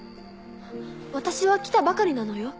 私は来たばかりなのよ。